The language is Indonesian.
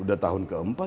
sudah tahun keempat